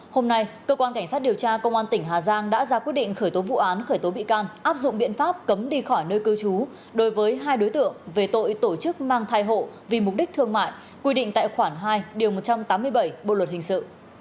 hôm nay cơ quan cảnh sát điều tra công an tỉnh hà giang đã ra quyết định khởi tố vụ án khởi tố bị can áp dụng biện pháp cấm đi khỏi nơi cư trú đối với hai đối tượng về tội tổ chức mang thai hộ vì mục đích thương mại quy định tại khoản hai điều một trăm tám mươi bảy bộ luật hình sự